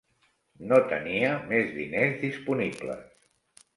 No tenia més diners disponibles.